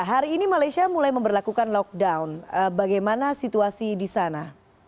hari ini malaysia mulai memperlakukan lockdown bagaimana situasi di sana